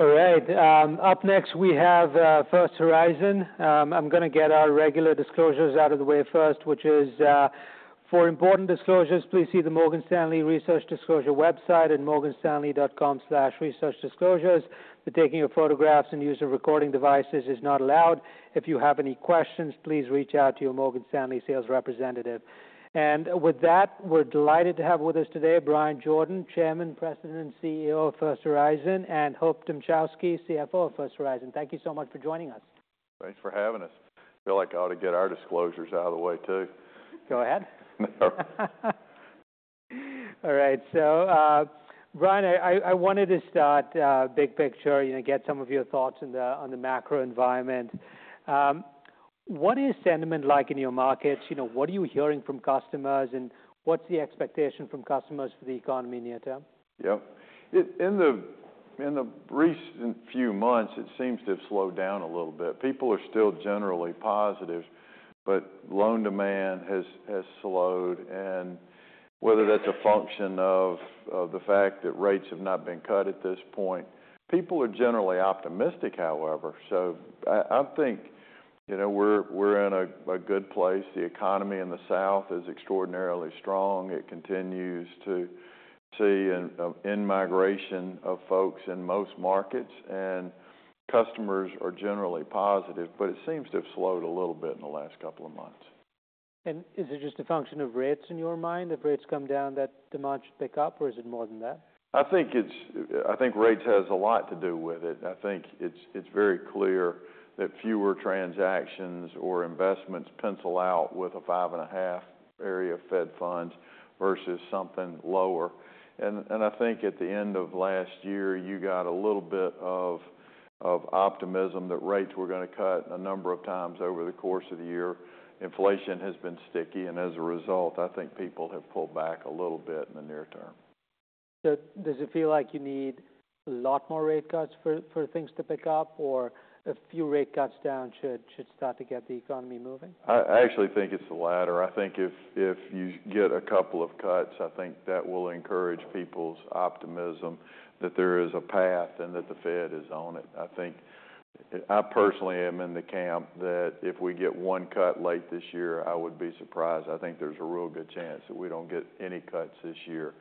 All right. Up next, we have First Horizon. I'm gonna get our regular disclosures out of the way first, which is, for important disclosures, please see the Morgan Stanley Research Disclosure website at morganstanley.com/researchdisclosures. The taking of photographs and use of recording devices is not allowed. If you have any questions, please reach out to your Morgan Stanley sales representative. And with that, we're delighted to have with us today Bryan Jordan, Chairman, President, and CEO of First Horizon, and Hope Dmuchowski, CFO of First Horizon. Thank you so much for joining us. Thanks for having us. Feel like I ought to get our disclosures out of the way, too. Go ahead. No. All right, so, Bryan, I, I wanted to start, big picture, you know, get some of your thoughts on the, on the macro environment. What is sentiment like in your markets? You know, what are you hearing from customers, and what's the expectation from customers for the economy near term? Yep. In the recent few months, it seems to have slowed down a little bit. People are still generally positive, but loan demand has slowed, and whether that's a function of the fact that rates have not been cut at this point. People are generally optimistic, however, so I think, you know, we're in a good place. The economy in the South is extraordinarily strong. It continues to see an in-migration of folks in most markets, and customers are generally positive. But it seems to have slowed a little bit in the last couple of months. Is it just a function of rates in your mind? If rates come down, that demand should pick up, or is it more than that? I think rates has a lot to do with it. I think it's very clear that fewer transactions or investments pencil out with a 5.5 area of Fed funds versus something lower. I think at the end of last year, you got a little bit of optimism that rates were gonna cut a number of times over the course of the year. Inflation has been sticky, and as a result, I think people have pulled back a little bit in the near term. So does it feel like you need a lot more rate cuts for things to pick up, or a few rate cuts down should start to get the economy moving? I actually think it's the latter. I think if you get a couple of cuts, I think that will encourage people's optimism that there is a path and that the Fed is on it. I think, I personally am in the camp that if we get one cut late this year, I would be surprised. I think there's a real good chance that we don't get any cuts this year,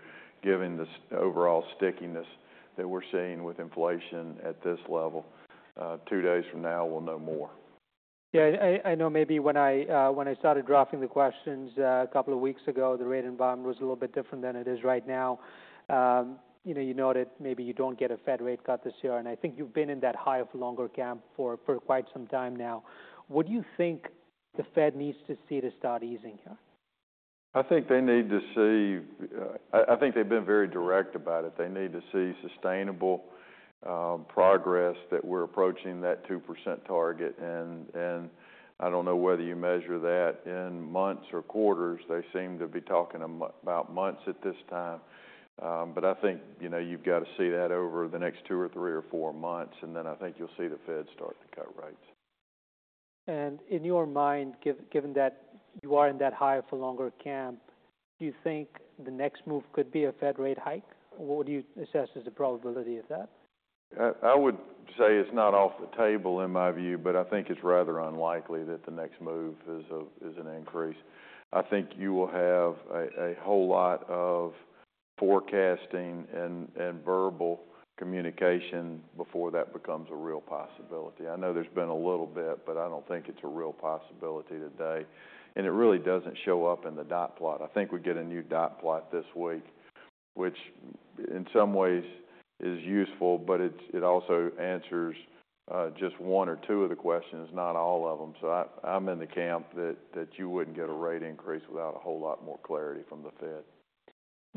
given the overall stickiness that we're seeing with inflation at this level. Two days from now, we'll know more. Yeah, I know maybe when I started drafting the questions a couple of weeks ago, the rate environment was a little bit different than it is right now. You know, you noted maybe you don't get a Fed rate cut this year, and I think you've been in that higher for longer camp for quite some time now. What do you think the Fed needs to see to start easing here? I think they need to see... I think they've been very direct about it. They need to see sustainable progress that we're approaching that 2% target, and I don't know whether you measure that in months or quarters. They seem to be talking about months at this time. But I think, you know, you've got to see that over the next 2, 3, or 4 months, and then I think you'll see the Fed start to cut rates. In your mind, given that you are in that higher for longer camp, do you think the next move could be a Fed rate hike? What would you assess is the probability of that? I would say it's not off the table, in my view, but I think it's rather unlikely that the next move is an increase. I think you will have a whole lot of forecasting and verbal communication before that becomes a real possibility. I know there's been a little bit, but I don't think it's a real possibility today, and it really doesn't show up in the dot plot. I think we get a new dot plot this week, which in some ways is useful, but it also answers just one or two of the questions, not all of them. So I'm in the camp that you wouldn't get a rate increase without a whole lot more clarity from the Fed.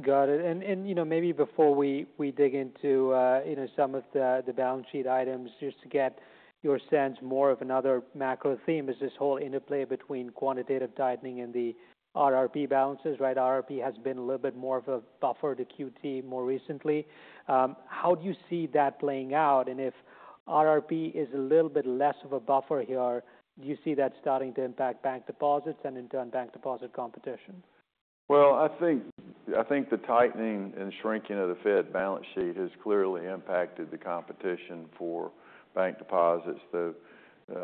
Got it. And, you know, maybe before we dig into, you know, some of the balance sheet items, just to get your sense more of another macro theme, is this whole interplay between quantitative tightening and the RRP balances, right? RRP has been a little bit more of a buffer to QT more recently. How do you see that playing out? And if RRP is a little bit less of a buffer here, do you see that starting to impact bank deposits and, in turn, bank deposit competition? Well, I think, I think the tightening and shrinking of the Fed balance sheet has clearly impacted the competition for bank deposits.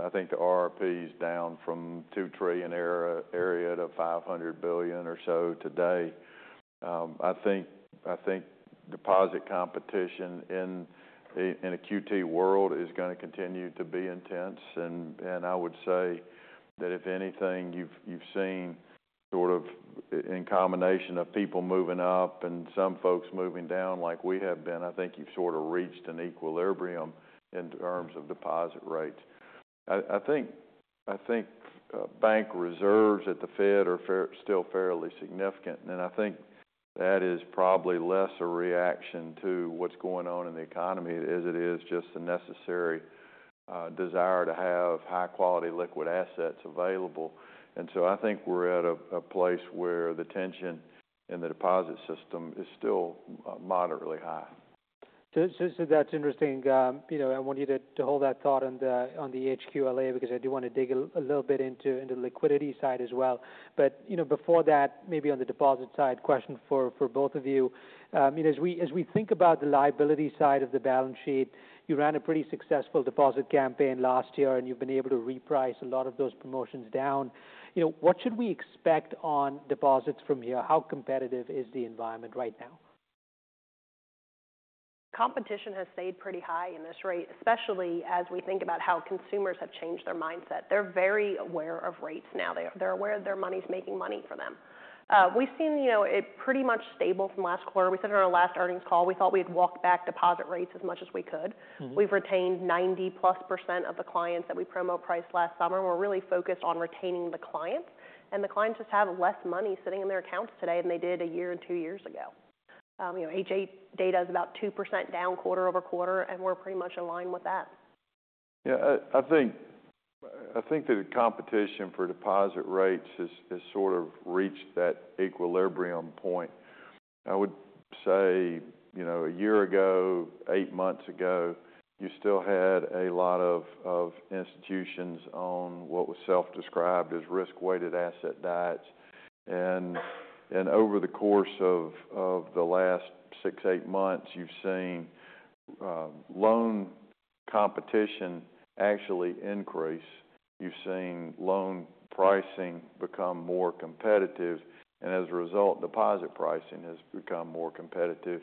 I think the RRP is down from $2 trillion area to $500 billion or so today. I think, I think deposit competition in a QT world is gonna continue to be intense, and I would say that if anything, you've, you've seen sort of in combination of people moving up and some folks moving down, like we have been. I think you've sort of reached an equilibrium in terms of deposit rates. I, I think, I think bank reserves at the Fed are still fairly significant, and I think that is probably less a reaction to what's going on in the economy, as it is just a necessary desire to have high-quality liquid assets available. I think we're at a place where the tension in the deposit system is still moderately high. So, so that's interesting. You know, I want you to, to hold that thought on the, on the HQLA, because I do want to dig a little bit into, into the liquidity side as well. But, you know, before that, maybe on the deposit side, question for, for both of you. I mean, as we, as we think about the liability side of the balance sheet, you ran a pretty successful deposit campaign last year, and you've been able to reprice a lot of those promotions down. You know, what should we expect on deposits from here? How competitive is the environment right now? Competition has stayed pretty high in this rate, especially as we think about how consumers have changed their mindset. They're very aware of rates now. They're aware their money's making money for them. We've seen, you know, it pretty much stable from last quarter. We said on our last earnings call, we thought we had walked back deposit rates as much as we could. We've retained 90+% of the clients that we promo priced last summer. We're really focused on retaining the clients, and the clients just have less money sitting in their accounts today than they did a year and two years ago. You know, H.8 data is about 2% down quarter-over-quarter, and we're pretty much aligned with that. Yeah, I, I think, I think that the competition for deposit rates has, has sort of reached that equilibrium point. I would say, you know, a year ago, 8 months ago, you still had a lot of, of institutions on what was self-described as risk-weighted asset diets. And, and over the course of, of the last 6-8 months, you've seen loan competition actually increase. You've seen loan pricing become more competitive, and as a result, deposit pricing has become more competitive.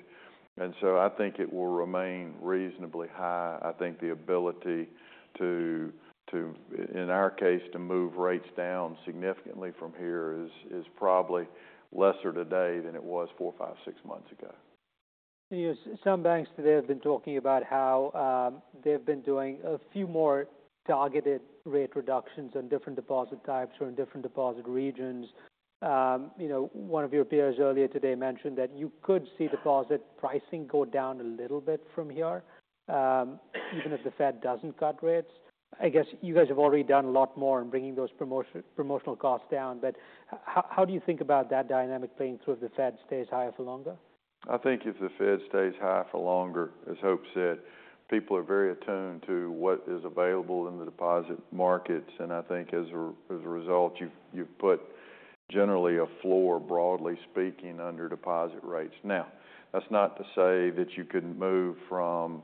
And so I think it will remain reasonably high. I think the ability to, to- in our case, to move rates down significantly from here is, is probably lesser today than it was 4-6 months ago. Yes, some banks today have been talking about how they've been doing a few more targeted rate reductions on different deposit types or in different deposit regions. You know, one of your peers earlier today mentioned that you could see deposit pricing go down a little bit from here, even if the Fed doesn't cut rates. I guess you guys have already done a lot more in bringing those promotional costs down, but how do you think about that dynamic playing through if the Fed stays higher for longer? I think if the Fed stays high for longer, as Hope said, people are very attuned to what is available in the deposit markets, and I think as a result, you've put generally a floor, broadly speaking, under deposit rates. Now, that's not to say that you couldn't move from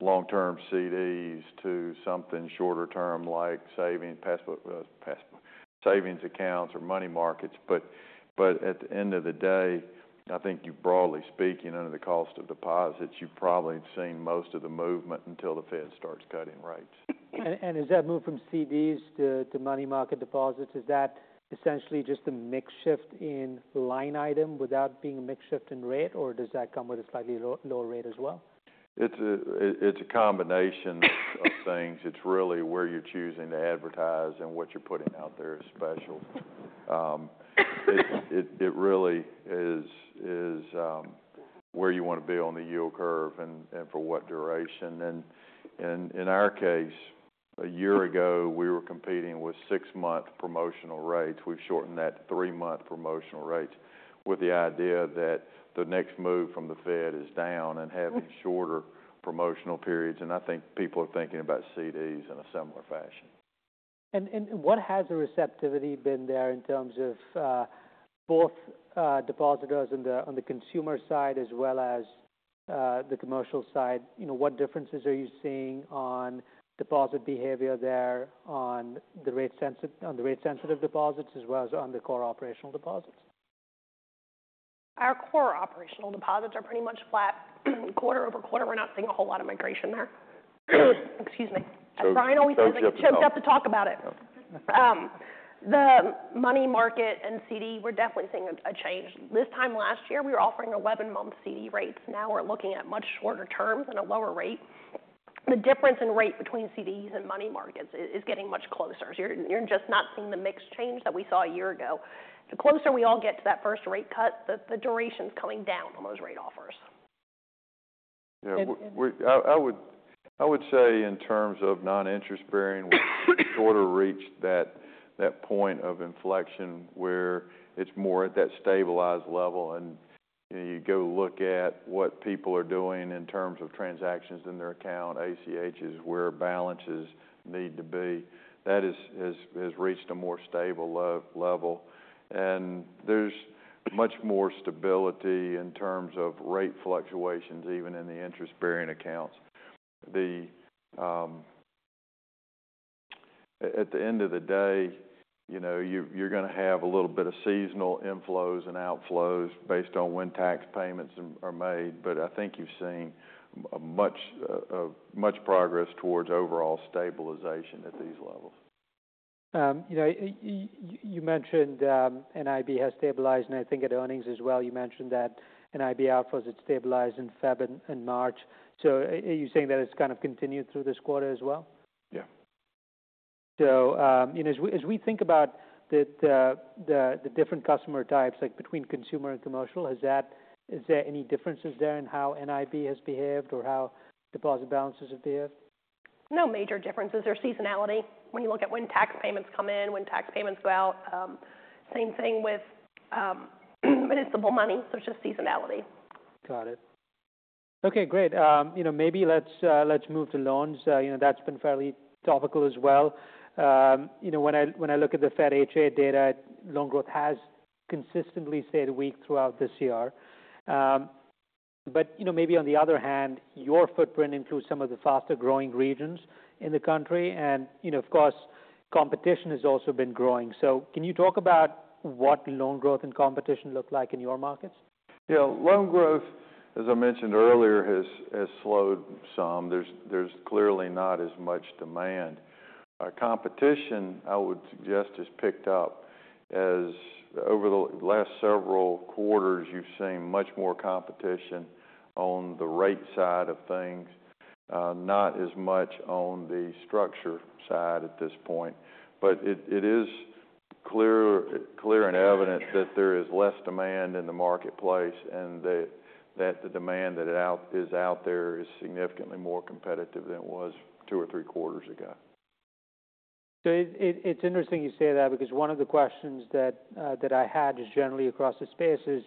long-term CDs to something shorter term, like savings passbook accounts or money markets, but at the end of the day, I think you broadly speaking, under the cost of deposits, you've probably seen most of the movement until the Fed starts cutting rates. And as that move from CDs to money market deposits, is that essentially just a mix shift in line item without being a mix shift in rate, or does that come with a slightly lower rate as well? It's a combination of things. It's really where you're choosing to advertise and what you're putting out there as special. It really is where you want to be on the yield curve and for what duration. In our case, a year ago, we were competing with 6-month promotional rates. We've shortened that to 3-month promotional rates with the idea that the next move from the Fed is down and having shorter promotional periods, and I think people are thinking about CDs in a similar fashion. What has the receptivity been there in terms of both depositors on the consumer side as well as the commercial side? You know, what differences are you seeing on deposit behavior there, on the rate-sensitive deposits as well as on the core operational deposits? Our core operational deposits are pretty much flat quarter-over-quarter. We're not seeing a whole lot of migration there. Excuse me. So, so- Bryan always gets choked up to talk about it. The money market and CD, we're definitely seeing a change. This time last year, we were offering 11-month CD rates. Now we're looking at much shorter terms and a lower rate. The difference in rate between CDs and money markets is getting much closer. So you're just not seeing the mix change that we saw a year ago. The closer we all get to that first rate cut, the duration's coming down on those rate offers. Yeah, I would say in terms of non-interest bearing, we've sort of reached that point of inflection where it's more at that stabilized level, and, you know, you go look at what people are doing in terms of transactions in their account, ACH is where balances need to be. That has reached a more stable level, and there's much more stability in terms of rate fluctuations, even in the interest-bearing accounts. At the end of the day, you know, you're gonna have a little bit of seasonal inflows and outflows based on when tax payments are made, but I think you've seen much progress towards overall stabilization at these levels. You know, you mentioned NIB has stabilized, and I think at earnings as well, you mentioned that NIB outflows had stabilized in Feb and March. So are you saying that it's kind of continued through this quarter as well? Yeah. You know, as we think about the different customer types, like between consumer and commercial, is there any differences there in how NIB has behaved or how deposit balances have behaved? No major differences or seasonality when you look at when tax payments come in, when tax payments go out. Same thing with municipal money, so it's just seasonality. Got it. Okay, great. You know, maybe let's move to loans. You know, that's been fairly topical as well. You know, when I look at the Fed H.8 data, loan growth has consistently stayed weak throughout this year. But you know, maybe on the other hand, your footprint includes some of the faster-growing regions in the country, and you know, of course, competition has also been growing. So can you talk about what loan growth and competition look like in your markets? Yeah. Loan growth, as I mentioned earlier, has slowed some. There's clearly not as much demand. Competition, I would suggest, has picked up as over the last several quarters, you've seen much more competition on the rate side of things, not as much on the structure side at this point. But it is clear and evident that there is less demand in the marketplace, and that the demand that is out there is significantly more competitive than it was two or three quarters ago. So it's interesting you say that, because one of the questions that I had just generally across the space is,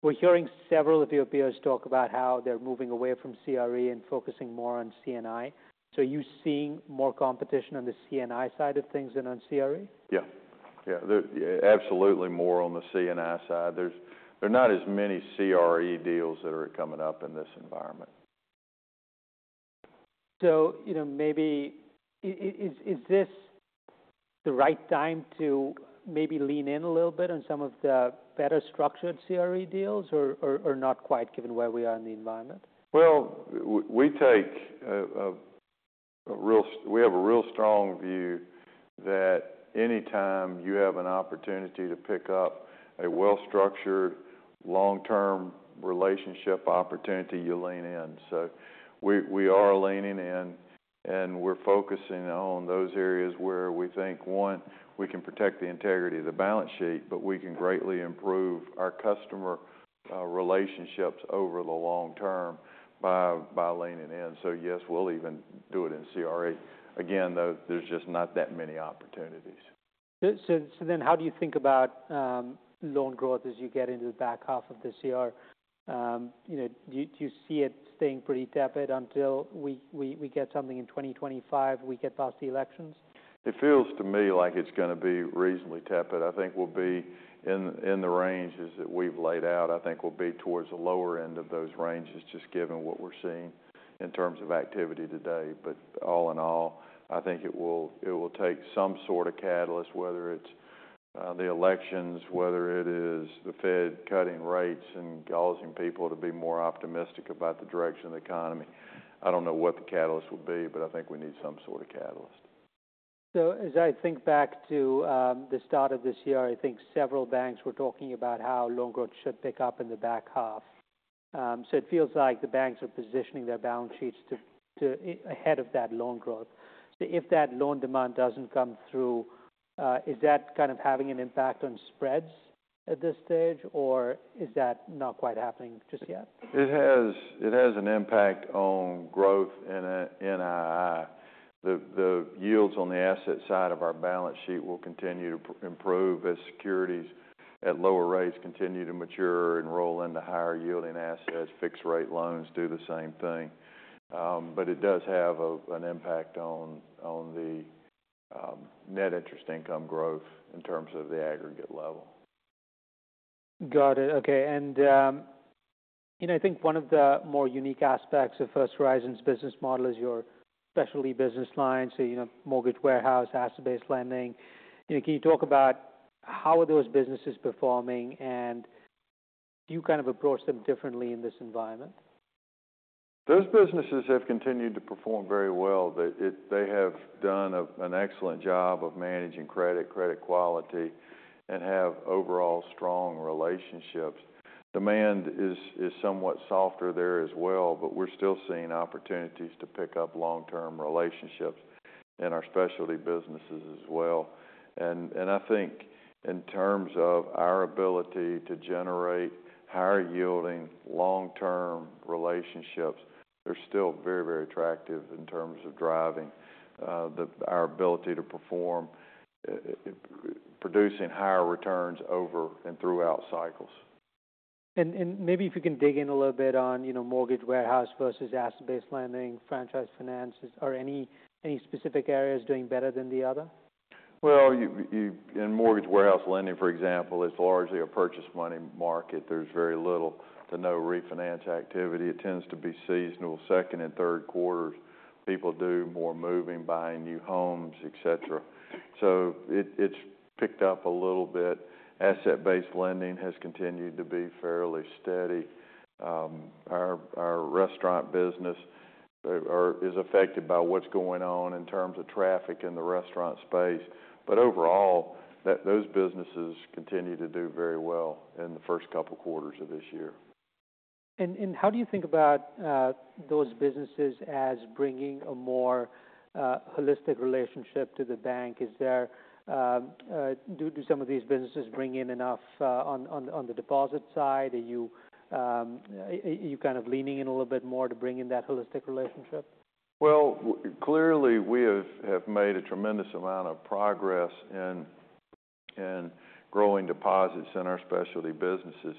we're hearing several of your peers talk about how they're moving away from CRE and focusing more on C&I. So are you seeing more competition on the C&I side of things than on CRE? Yeah. Yeah, absolutely more on the C&I side. There are not as many CRE deals that are coming up in this environment. So, you know, maybe is this the right time to maybe lean in a little bit on some of the better structured CRE deals, or not quite, given where we are in the environment? Well, we have a real strong view that any time you have an opportunity to pick up a well-structured, long-term relationship opportunity, you lean in. So we are leaning in, and we're focusing on those areas where we think, one, we can protect the integrity of the balance sheet, but we can greatly improve our customer relationships over the long term by leaning in. So yes, we'll even do it in CRE. Again, though, there's just not that many opportunities. So then how do you think about loan growth as you get into the back half of this year? You know, do you see it staying pretty tepid until we get something in 2025, we get past the elections? It feels to me like it's gonna be reasonably tepid. I think we'll be in the ranges that we've laid out. I think we'll be towards the lower end of those ranges, just given what we're seeing in terms of activity today. But all in all, I think it will take some sort of catalyst, whether it's the elections, whether it is the Fed cutting rates and causing people to be more optimistic about the direction of the economy. I don't know what the catalyst will be, but I think we need some sort of catalyst. So as I think back to the start of this year, I think several banks were talking about how loan growth should pick up in the back half. So it feels like the banks are positioning their balance sheets to ahead of that loan growth. So if that loan demand doesn't come through, is that kind of having an impact on spreads at this stage, or is that not quite happening just yet? It has an impact on growth in a NII. The yields on the asset side of our balance sheet will continue to improve as securities at lower rates continue to mature and roll into higher yielding assets. Fixed rate loans do the same thing. But it does have an impact on net interest income growth in terms of the aggregate level. Got it. Okay. And, you know, I think one of the more unique aspects of First Horizon's business model is your specialty business line, so, you know, mortgage warehouse, asset-based lending. You know, can you talk about how are those businesses performing, and do you kind of approach them differently in this environment? Those businesses have continued to perform very well. They have done an excellent job of managing credit, credit quality, and have overall strong relationships. Demand is somewhat softer there as well, but we're still seeing opportunities to pick up long-term relationships in our specialty businesses as well. And I think in terms of our ability to generate higher yielding, long-term relationships, they're still very, very attractive in terms of driving our ability to perform, producing higher returns over and throughout cycles. Maybe if you can dig in a little bit on, you know, mortgage warehouse versus asset-based lending, franchise finance. Are any specific areas doing better than the other? Well, in mortgage warehouse lending, for example, it's largely a purchase money market. There's very little to no refinance activity. It tends to be seasonal. Second and third quarters, people do more moving, buying new homes, et cetera. So it's picked up a little bit. Asset-based lending has continued to be fairly steady. Our restaurant business is affected by what's going on in terms of traffic in the restaurant space. But overall, those businesses continue to do very well in the first couple quarters of this year. How do you think about those businesses as bringing a more holistic relationship to the bank? Is there, do some of these businesses bring in enough on the deposit side? Are you kind of leaning in a little bit more to bring in that holistic relationship? Well, clearly, we have made a tremendous amount of progress in growing deposits in our specialty businesses.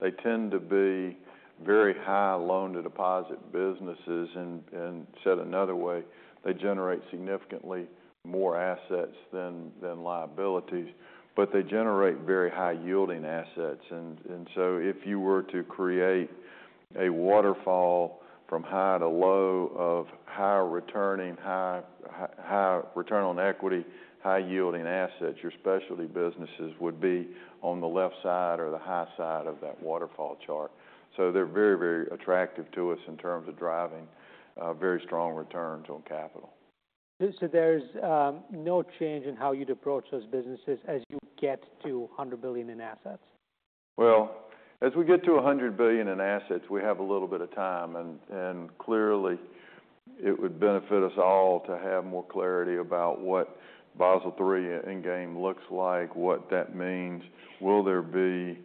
They tend to be very high loan-to-deposit businesses, and said another way, they generate significantly more assets than liabilities, but they generate very high-yielding assets. And so if you were to create a waterfall from high to low of higher returning, high return on equity, high-yielding assets, your specialty businesses would be on the left side or the high side of that waterfall chart. So they're very, very attractive to us in terms of driving very strong returns on capital. So, there's no change in how you'd approach those businesses as you get to $100 billion in assets? Well, as we get to $100 billion in assets, we have a little bit of time, and clearly, it would benefit us all to have more clarity about what Basel III Endgame looks like, what that means. will there be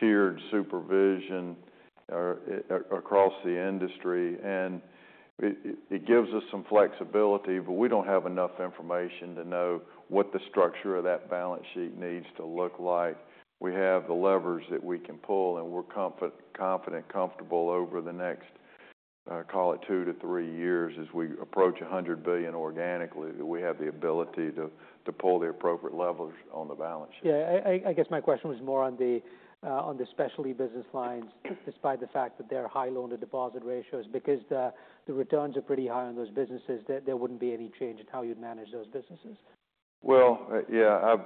tiered supervision or across the industry? And it gives us some flexibility, but we don't have enough information to know what the structure of that balance sheet needs to look like. We have the levers that we can pull, and we're confident, comfortable over the next, call it 2-3 years as we approach $100 billion organically, that we have the ability to pull the appropriate levers on the balance sheet. Yeah, I guess my question was more on the, on the specialty business lines, despite the fact that they're high loan-to-deposit ratios. Because the returns are pretty high on those businesses, there wouldn't be any change in how you'd manage those businesses? Well, yeah,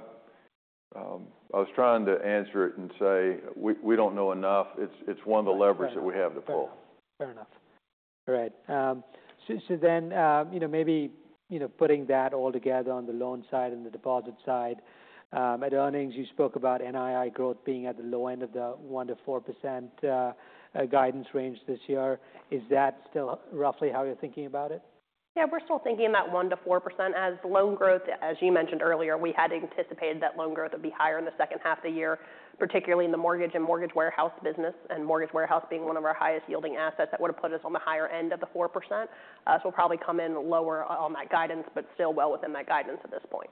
I was trying to answer it and say, we don't know enough. It's one of the levers that we have to pull. Fair enough. All right, so then, you know, maybe, you know, putting that all together on the loan side and the deposit side, at earnings, you spoke about NII growth being at the low end of the 1%-4% guidance range this year. Is that still roughly how you're thinking about it? Yeah, we're still thinking that 1%-4% as loan growth. As you mentioned earlier, we had anticipated that loan growth would be higher in the second half of the year, particularly in the mortgage and mortgage warehouse business, and mortgage warehouse being one of our highest-yielding assets that would have put us on the higher end of the 4%. So we'll probably come in lower on that guidance, but still well within that guidance at this point.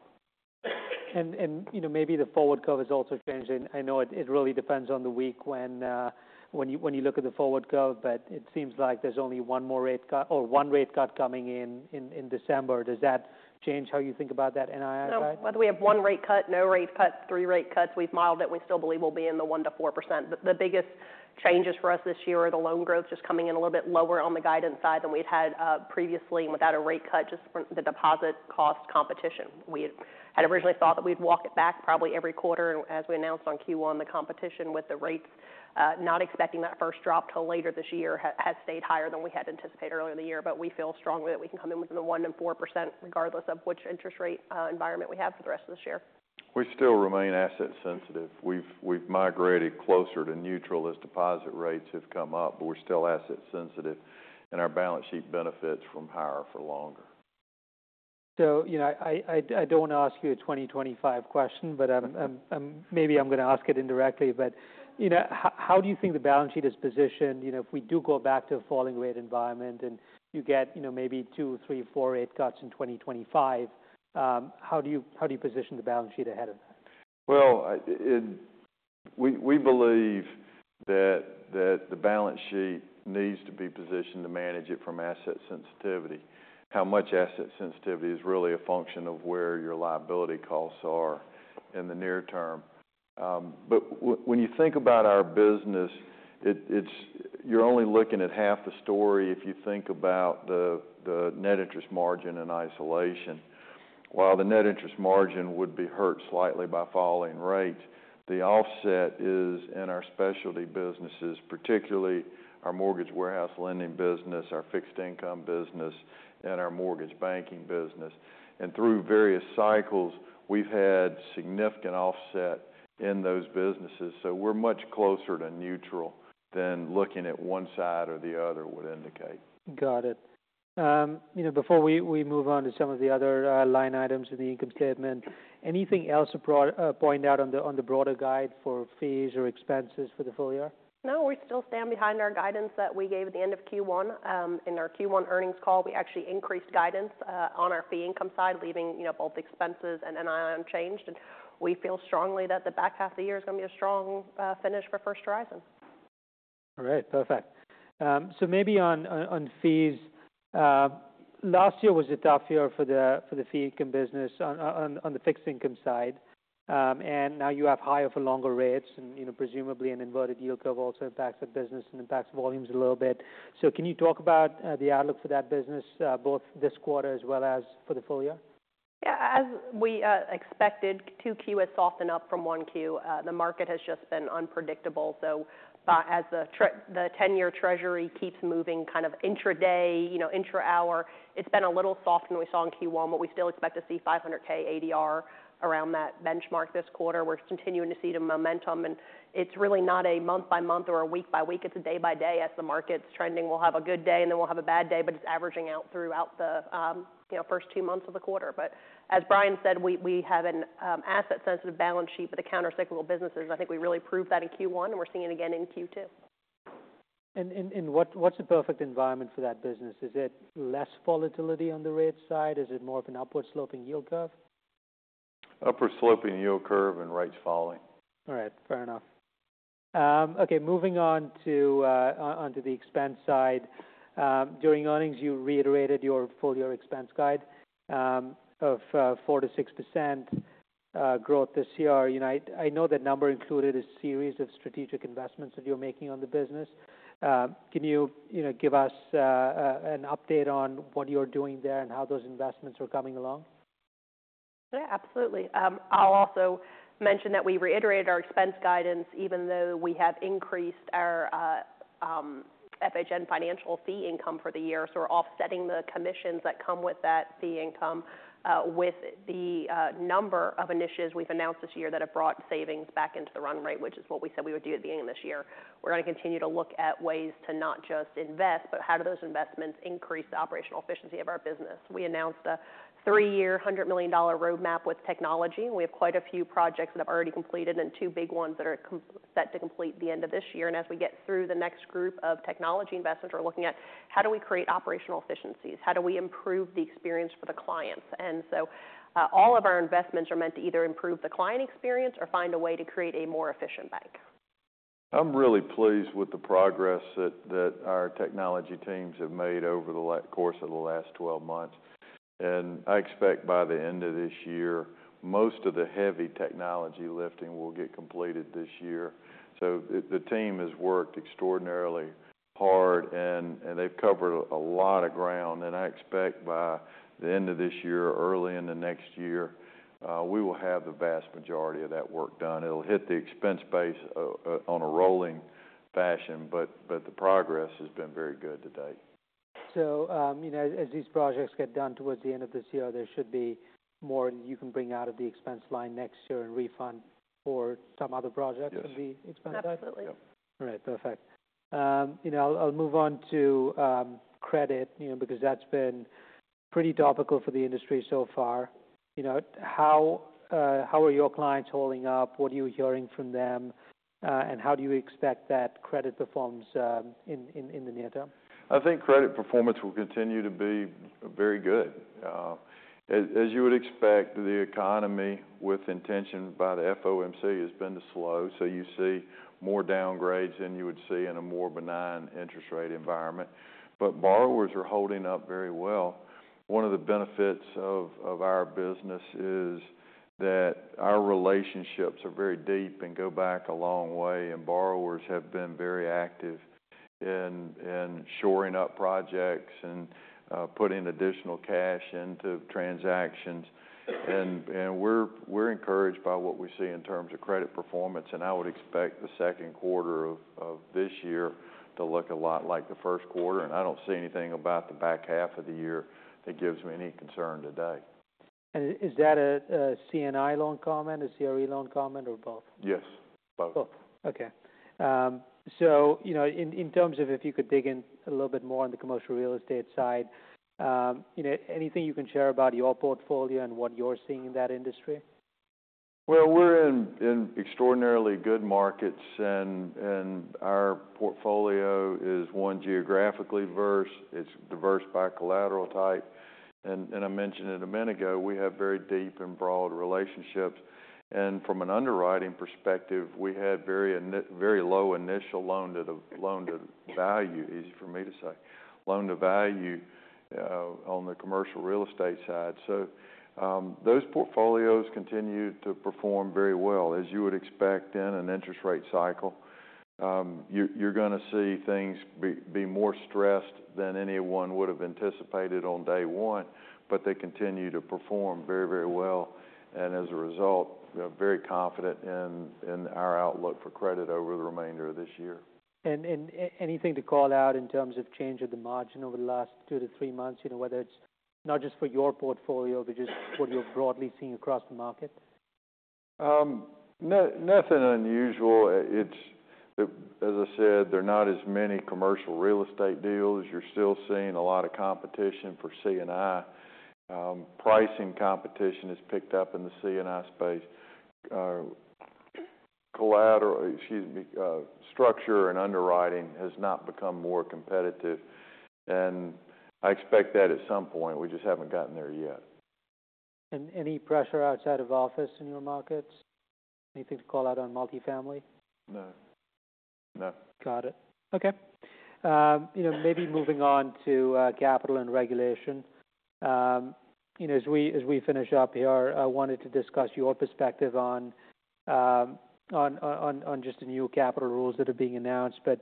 You know, maybe the forward curve has also changed, and I know it really depends on the week when you look at the forward curve, but it seems like there's only one more rate cut or one rate cut coming in December. Does that change how you think about that NII guide? No. Whether we have one rate cut, no rate cut, three rate cuts, we've modeled it, and we still believe we'll be in the 1%-4%. The biggest changes for us this year are the loan growth just coming in a little bit lower on the guidance side than we'd had previously, and without a rate cut, just from the deposit cost competition. We had originally thought that we'd walk it back probably every quarter as we announced on Q1 the competition with the rates, not expecting that first drop till later this year, has stayed higher than we had anticipated earlier in the year. But we feel strongly that we can come in within the 1%-4%, regardless of which interest rate environment we have for the rest of this year. We still remain asset sensitive. We've migrated closer to neutral as deposit rates have come up, but we're still asset sensitive, and our balance sheet benefits from higher for longer. I don't want to ask you a 2025 question, but maybe I'm going to ask it indirectly. You know, how do you think the balance sheet is positioned? You know, if we do go back to a falling rate environment and you get, you know, maybe 2, 3, 4 rate cuts in 2025, how do you position the balance sheet ahead of that? Well, we believe that the balance sheet needs to be positioned to manage it from asset sensitivity. How much asset sensitivity is really a function of where your liability costs are in the near term. But when you think about our business, it's—you're only looking at half the story if you think about the net interest margin in isolation. While the net interest margin would be hurt slightly by falling rates, the offset is in our specialty businesses, particularly our mortgage warehouse lending business, our fixed income business, and our mortgage banking business. Through various cycles, we've had significant offset in those businesses, so we're much closer to neutral than looking at one side or the other would indicate. Got it. You know, before we move on to some of the other line items in the income statement, anything else to point out on the broader guide for fees or expenses for the full year? No, we still stand behind our guidance that we gave at the end of Q1. In our Q1 earnings call, we actually increased guidance on our fee income side, leaving, you know, both expenses and NII unchanged. We feel strongly that the back half of the year is going to be a strong finish for First Horizon. All right. Perfect. So maybe on fees, last year was a tough year for the fee income business on the fixed income side. And now you have higher for longer rates, and, you know, presumably, an inverted yield curve also impacts the business and impacts volumes a little bit. So can you talk about the outlook for that business, both this quarter as well as for the full year? Yeah. As we expected, 2Q has softened up from 1Q. The market has just been unpredictable, so, as the 10-year Treasury keeps moving kind of intraday, you know, intra-hour, it's been a little softer than we saw in Q1, but we still expect to see 500K ADR around that benchmark this quarter. We're continuing to see the momentum, and it's really not a month-by-month or a week-by-week, it's a day-by-day as the market's trending. We'll have a good day, and then we'll have a bad day, but it's averaging out throughout the, you know, first two months of the quarter. But as Bryan said, we have an asset-sensitive balance sheet with countercyclical businesses. I think we really proved that in Q1, and we're seeing it again in Q2. What's the perfect environment for that business? Is it less volatility on the rate side? Is it more of an upward-sloping yield curve? Upward-sloping yield curve and rates falling. All right, fair enough. Okay, moving on to the expense side. During earnings, you reiterated your full-year expense guide of 4%-6% growth this year. You know, I know that number included a series of strategic investments that you're making on the business. Can you, you know, give us an update on what you're doing there, and how those investments are coming along? Yeah, absolutely. I'll also mention that we reiterated our expense guidance, even though we have increased our FHN Financial fee income for the year. So we're offsetting the commissions that come with that fee income with the number of initiatives we've announced this year that have brought savings back into the run rate, which is what we said we would do at the beginning of this year. We're gonna continue to look at ways to not just invest, but how do those investments increase the operational efficiency of our business? We announced a three-year, $100 million roadmap with technology. We have quite a few projects that have already completed, and 2 big ones that are set to complete the end of this year. And as we get through the next group of technology investments, we're looking at how do we create operational efficiencies? How do we improve the experience for the clients? And so, all of our investments are meant to either improve the client experience or find a way to create a more efficient bank. I'm really pleased with the progress that our technology teams have made over the course of the last 12 months. I expect by the end of this year, most of the heavy technology lifting will get completed this year. So the team has worked extraordinarily hard, and they've covered a lot of ground. I expect by the end of this year or early in the next year, we will have the vast majority of that work done. It'll hit the expense base on a rolling fashion, but the progress has been very good to date. You know, as these projects get done towards the end of this year, there should be more you can bring out of the expense line next year in refund or some other project- Yes. to be expended? Absolutely. Yep. All right, perfect. You know, I'll move on to credit, you know, because that's been pretty topical for the industry so far. You know, how are your clients holding up? What are you hearing from them? And how do you expect that credit performs in the near term? I think credit performance will continue to be very good. As you would expect, the economy, with intention by the FOMC, has been to slow, so you see more downgrades than you would see in a more benign interest rate environment. But borrowers are holding up very well. One of the benefits of our business is that our relationships are very deep and go back a long way, and borrowers have been very active in shoring up projects and putting additional cash into transactions. And we're encouraged by what we see in terms of credit performance, and I would expect the second quarter of this year to look a lot like the first quarter, and I don't see anything about the back half of the year that gives me any concern today. Is that a C&I loan comment, a CRE loan comment, or both? Yes, both. Both, okay. So, you know, in terms of if you could dig in a little bit more on the commercial real estate side, you know, anything you can share about your portfolio and what you're seeing in that industry? Well, we're in extraordinarily good markets, and our portfolio is one, geographically diverse, it's diverse by collateral type. And I mentioned it a minute ago, we have very deep and broad relationships. And from an underwriting perspective, we had very low initial loan-to-value. Easy for me to say. Loan-to-value on the commercial real estate side. So those portfolios continue to perform very well. As you would expect in an interest rate cycle, you're gonna see things be more stressed than anyone would have anticipated on day one, but they continue to perform very, very well. And as a result, we are very confident in our outlook for credit over the remainder of this year. Anything to call out in terms of change of the margin over the last two to three months? You know, whether it's not just for your portfolio, but just what you're broadly seeing across the market. Nothing unusual. As I said, there are not as many commercial real estate deals. You're still seeing a lot of competition for C&I. Pricing competition has picked up in the C&I space. Collateral, excuse me, structure and underwriting has not become more competitive, and I expect that at some point. We just haven't gotten there yet. Any pressure outside of office in your markets? Anything to call out on multifamily? No. No. Got it. Okay, you know, maybe moving on to capital and regulation. You know, as we finish up here, I wanted to discuss your perspective on just the new capital rules that are being announced. But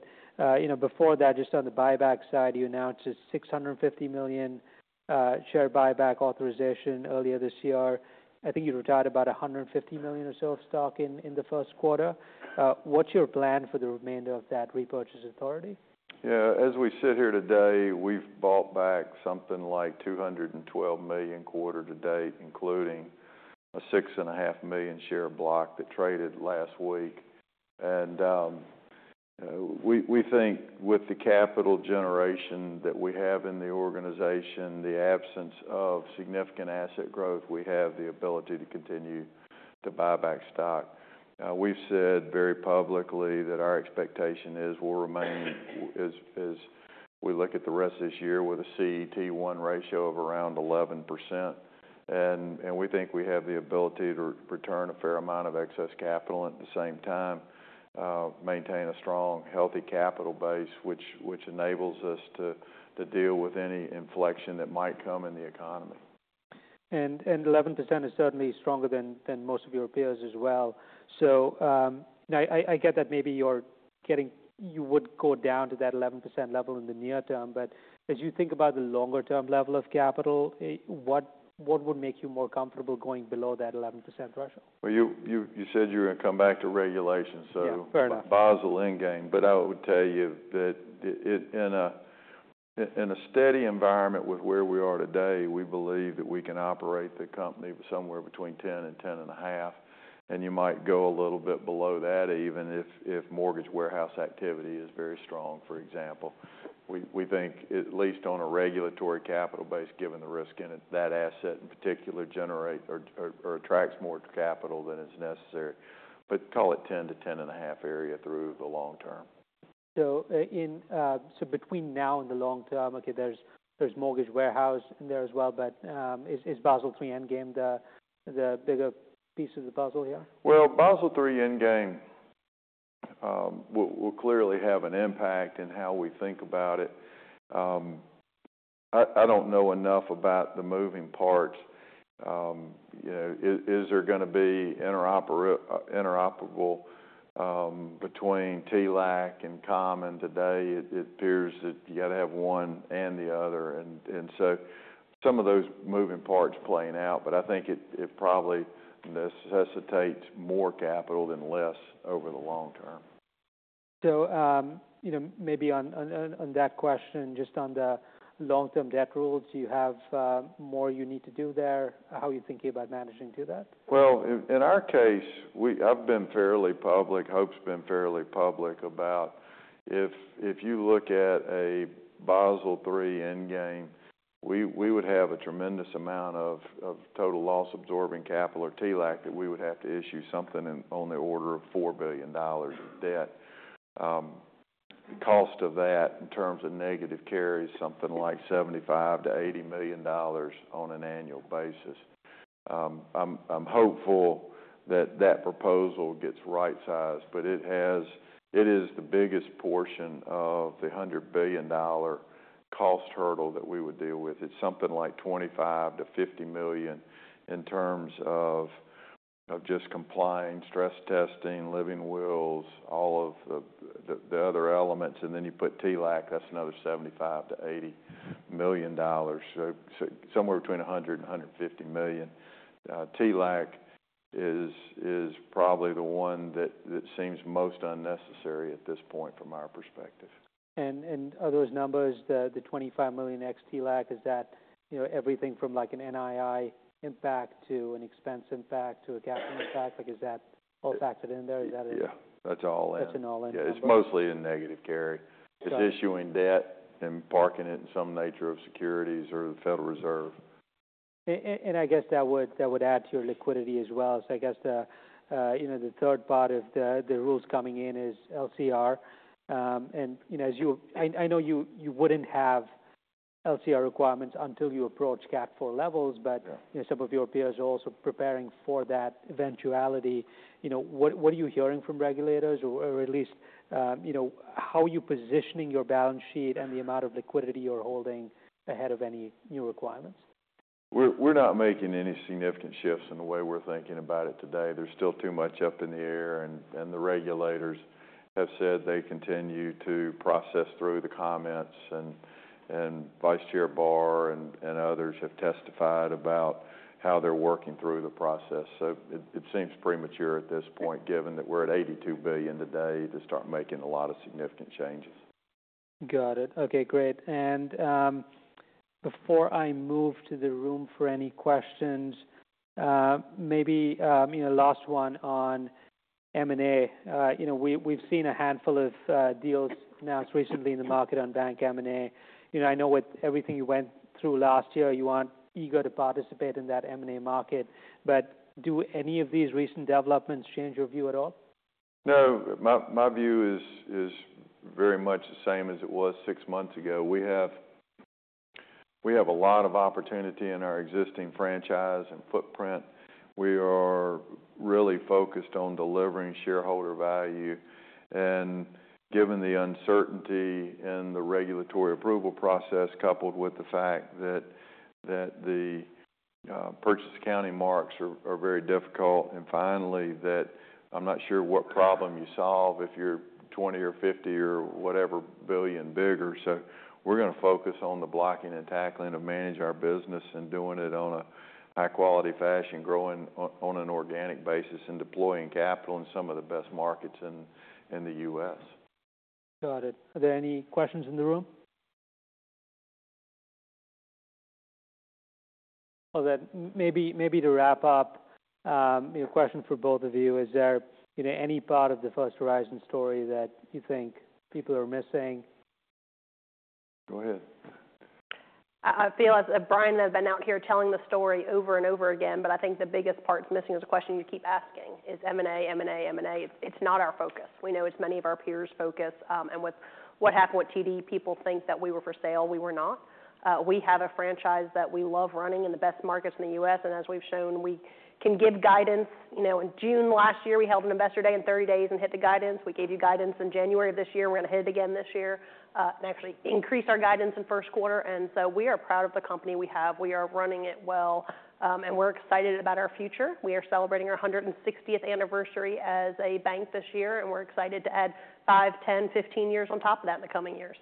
you know, before that, just on the buyback side, you announced a $650 million share buyback authorization earlier this year. I think you retired about $150 million or so of stock in the first quarter. What's your plan for the remainder of that repurchase authority? Yeah. As we sit here today, we've bought back something like 212 million quarter to date, including a 6.5 million share block that traded last week. We think with the capital generation that we have in the organization, the absence of significant asset growth, we have the ability to continue to buy back stock. We've said very publicly that our expectation is, we'll remain, as we look at the rest of this year, with a CET1 ratio of around 11%. We think we have the ability to return a fair amount of excess capital, at the same time, maintain a strong, healthy capital base, which enables us to deal with any inflection that might come in the economy. And 11% is certainly stronger than most of your peers as well. So, now I get that maybe you would go down to that 11% level in the near term, but as you think about the longer-term level of capital, what would make you more comfortable going below that 11% ratio? Well, you said you were gonna come back to regulations, so- Yeah, fair enough.... Basel Endgame, but I would tell you that it in a steady environment with where we are today, we believe that we can operate the company somewhere between 10 and 10.5, and you might go a little bit below that even if mortgage warehouse activity is very strong, for example. We think, at least on a regulatory capital base, given the risk in it, that asset in particular generates or attracts more capital than is necessary. But call it 10 to 10.5 area through the long term. So, in between now and the long term, okay, there's mortgage warehouse in there as well, but is Basel III Endgame the bigger piece of the puzzle here? Well, Basel III Endgame will clearly have an impact in how we think about it. I don't know enough about the moving parts. You know, is there gonna be interoperable between TLAC and Common? Today, it appears that you got to have one and the other, and so some of those moving parts playing out, but I think it probably necessitates more capital than less over the long term. So, you know, maybe on that question, just on the long-term debt rules, do you have more you need to do there? How are you thinking about managing through that? Well, in our case, I've been fairly public, Hope's been fairly public about if you look at a Basel III Endgame, we would have a tremendous amount of total loss absorbing capital, or TLAC, that we would have to issue something on the order of $4 billion of debt. Cost of that, in terms of negative carry, is something like $75 million-$80 million on an annual basis. I'm hopeful that that proposal gets right-sized, but it has it is the biggest portion of the $100 billion cost hurdle that we would deal with. It's something like $25 million-$50 million in terms of just complying, stress testing, living wills, all of the other elements, and then you put TLAC, that's another $75 million-$80 million. Somewhere between $100 million and $150 million. TLAC is probably the one that seems most unnecessary at this point, from our perspective. Are those numbers, the $25 million net TLAC, is that, you know, everything from, like, an NII impact, to an expense impact, to a capital impact? Like, is that all factored in there? Is that it- Yeah, that's all in. That's an all-in number. Yeah, it's mostly in negative carry. Got- It's issuing debt and parking it in some nature of securities or the Federal Reserve. and I guess that would, that would add to your liquidity as well. So I guess the, you know, the third part of the, the rules coming in is LCR. And, you know, as you... I, I know you, you wouldn't have LCR requirements until you approach Category IV levels- Yeah... but, you know, some of your peers are also preparing for that eventuality. You know, what are you hearing from regulators, or at least, you know, how are you positioning your balance sheet and the amount of liquidity you're holding ahead of any new requirements? We're not making any significant shifts in the way we're thinking about it today. There's still too much up in the air, and the regulators have said they continue to process through the comments, and Vice Chair Barr and others have testified about how they're working through the process. So it seems premature at this point, given that we're at $82 billion today, to start making a lot of significant changes. Got it. Okay, great. And before I move to the room for any questions, maybe you know, last one on M&A. You know, we’ve seen a handful of deals announced recently in the market on bank M&A. You know, I know with everything you went through last year, you aren’t eager to participate in that M&A market, but do any of these recent developments change your view at all? No, my view is very much the same as it was six months ago. We have a lot of opportunity in our existing franchise and footprint. We are really focused on delivering shareholder value, and given the uncertainty in the regulatory approval process, coupled with the fact that the purchase accounting marks are very difficult, and finally, that I'm not sure what problem you solve if you're $20 billion or $50 billion or whatever billion bigger. So we're gonna focus on the blocking and tackling to manage our business and doing it on a high-quality fashion, growing on an organic basis, and deploying capital in some of the best markets in the U.S. Got it. Are there any questions in the room? Well, then, maybe to wrap up, you know, a question for both of you: is there, you know, any part of the First Horizon story that you think people are missing? Go ahead. I feel as if Bryan has been out here telling the story over and over again, but I think the biggest part missing is a question you keep asking, is M&A, M&A, M&A. It's, it's not our focus. We know it's many of our peers' focus, and with what happened with TD, people think that we were for sale. We were not. We have a franchise that we love running in the best markets in the U.S., and as we've shown, we can give guidance. You know, in June last year, we held an Investor Day in 30 days and hit the guidance. We gave you guidance in January of this year. We're gonna hit it again this year, and actually increase our guidance in first quarter. And so we are proud of the company we have. We are running it well, and we're excited about our future. We are celebrating our 160th anniversary as a bank this year, and we're excited to add 5, 10, 15 years on top of that in the coming years.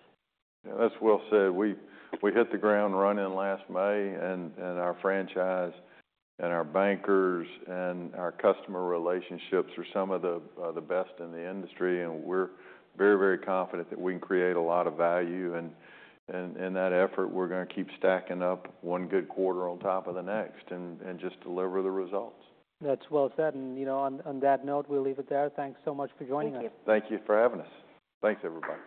Yeah, as we've said, we hit the ground running last May, and our franchise and our bankers and our customer relationships are some of the best in the industry, and we're very, very confident that we can create a lot of value. And in that effort, we're gonna keep stacking up one good quarter on top of the next and just deliver the results. That's well said. You know, on that note, we'll leave it there. Thanks so much for joining us. Thank you. Thank you for having us. Thanks, everybody.